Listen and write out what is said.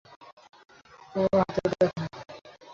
তোমার হাতে ওটা কি?